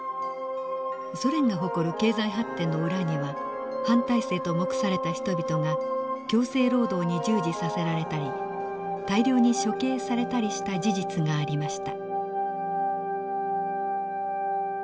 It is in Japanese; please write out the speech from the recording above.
ソ連が誇る経済発展の裏には反体制と目された人々が強制労働に従事させられたり大量に処刑されたりした事実がありました。